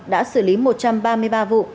đã xử lý một trăm ba mươi ba vụ